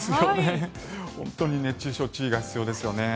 本当に熱中症に注意が必要です。